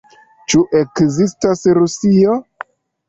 Ĉu ekzistas Rusio?